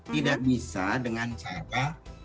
tidak bisa dengan cara